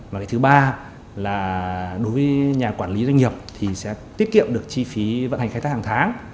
và cái thứ ba là đối với nhà quản lý doanh nghiệp thì sẽ tiết kiệm được chi phí vận hành khai thác hàng tháng